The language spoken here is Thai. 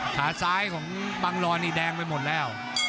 ขาซ้ายของบังรอนี่แดงไปหมดแล้ว